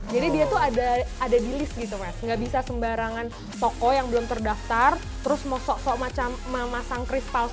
jadi dia tuh ada di list gitu mas nggak bisa sembarangan toko yang belum terdaftar terus mau sok sok macam mama sangka